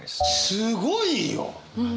すごいよ！